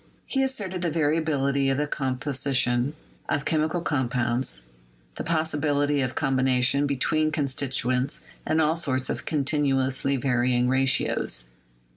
He asserted the variability of the composition of chemical compounds, the possibility of combination be tween constituents in all sorts of continuously varying ratios.